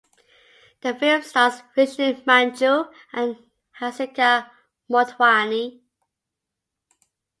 The film stars Vishnu Manchu and Hansika Motwani.